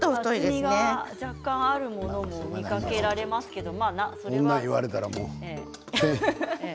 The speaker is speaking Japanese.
厚みが若干あるものも見かけられますけれども。